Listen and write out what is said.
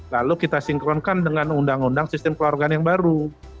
lalu kita sinkronkan dengan undang undang sistem keluarga yang baru